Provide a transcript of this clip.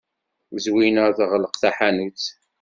Zwina teɣleq taḥanut.